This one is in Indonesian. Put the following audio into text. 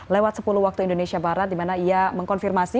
lewat sepuluh waktu indonesia barat di mana ia mengkonfirmasi